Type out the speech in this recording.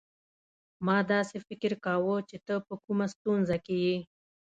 ما داسي فکر کاوه چي ته په کومه ستونزه کې يې.